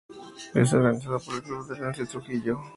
Es organizado por el Club de Leones de Trujillo.